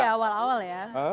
pudah pudah jadi awal awal ya